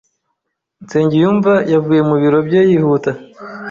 Nsengiyumva yavuye mu biro bye yihuta.